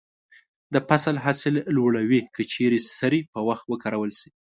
د فصل حاصل لوړوي که چیرې سرې په وخت وکارول شي.